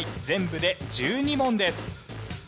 全部で１２問です。